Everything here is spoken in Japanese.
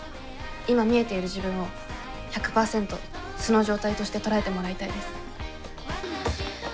今見えている自分を１００％素の状態として捉えてもらいたいです。